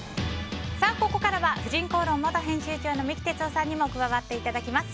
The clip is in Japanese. ここからは「婦人公論」元編集長の三木哲男さんにも加わっていただきます。